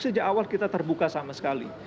sejak awal kita terbuka sama sekali